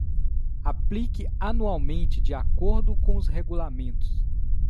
Aplique anualmente de acordo com os regulamentos